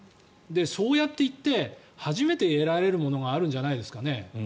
そうやって行って初めて得られるものがあるんじゃないですか。